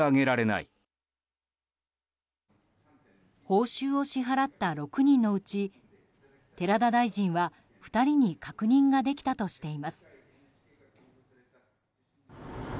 報酬を支払った６人のうち寺田大臣は、２人に確認ができたとしています。